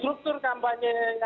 struktur kampanye ini sudah berbeda